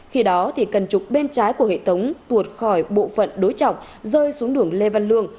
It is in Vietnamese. khi đó cân trục bên trái của hệ thống tuột khỏi bộ phận đối trọng rơi xuống đường lê văn lương